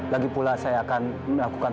lagi pula saya akan melakukan